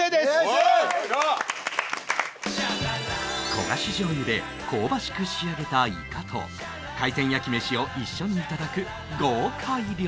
焦がし醤油で香ばしく仕上げたイカと海鮮焼きメシを一緒にいただく豪快料理